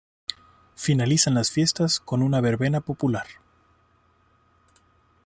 Finalizan las fiestas con una verbena popular.